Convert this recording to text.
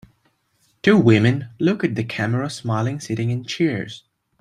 two women look at the camera smiling sitting in chairs.